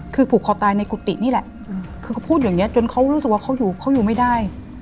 คือผูกคอตายในกุฏินี่แหละคือเขาพูดอย่างนี้จนเขารู้สึกว่าเขาอยู่เขาอยู่ไม่ได้